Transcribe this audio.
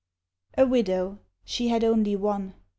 A widow she had only one!